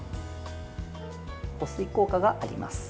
保水効果があります。